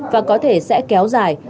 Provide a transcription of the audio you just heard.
và có thể sẽ kéo dài